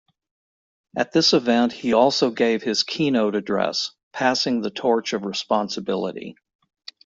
At this event, he also gave his keynote address, Passing the Torch of Responsibility.